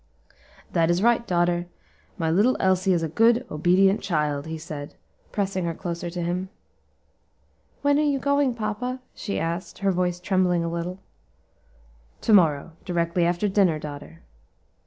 "That is right, daughter; my little Elsie is a good, obedient child," he said, pressing her closer to him. "When are you going papa?" she asked, her voice trembling a little. "To morrow, directly after dinner, daughter."